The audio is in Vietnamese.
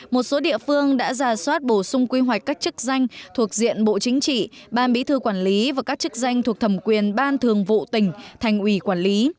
một số địa phương đã giả soát bổ sung quy hoạch các chức danh thuộc diện bộ chính trị ban bí thư quản lý và các chức danh thuộc thẩm quyền ban thường vụ tỉnh thành ủy quản lý